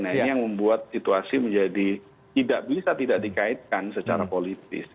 nah ini yang membuat situasi menjadi tidak bisa tidak dikaitkan secara politis